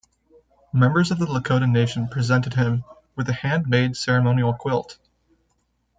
Members of the Lakota Nation presented him with a hand-made ceremonial quilt.